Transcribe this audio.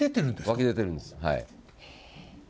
湧き出てるんです。